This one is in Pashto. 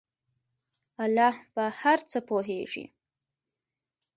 الله په هر څه پوهیږي.